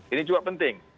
ini juga penting